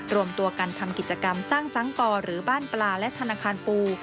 รวมตัวกันทำกิจกรรมสร้างสังกอหรือบ้านปลาและธนาคารปู